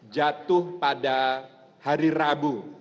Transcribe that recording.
jatuh pada hari rabu